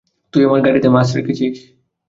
তুই আমার গাড়িতে মাছ রেখেছিস?